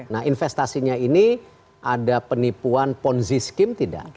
nah investasinya ini ada penipuan ponzi skim tidak